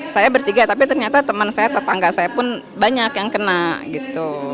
saya bertiga tapi ternyata teman saya tetangga saya pun banyak yang kena gitu